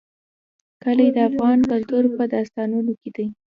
کلي د افغان کلتور په داستانونو کې دي.